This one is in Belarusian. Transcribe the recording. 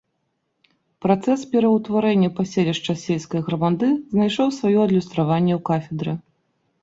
Працэс пераўтварэння паселішча з сельскае грамады знайшоў сваё адлюстраванне ў кафедры.